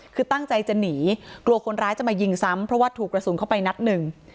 คือตั้งใจจะหนีกลัวคนร้ายจะมายิงซ้ำเพราะว่าถูกกระสุนเข้าไปนัดหนึ่ง